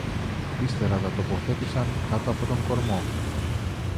Ύστερα τα τοποθέτησαν κάτω από τον κορμό